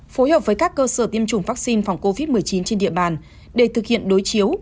phối hợp với các cơ sở tiêm chủng vaccine phòng covid một mươi chín trên địa bàn để thực hiện đối chiếu